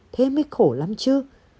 thế mới khổ lắm chứ